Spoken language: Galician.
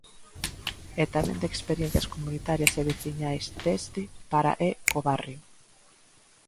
E tamén de experiencias comunitarias e veciñais desde, para e co barrio.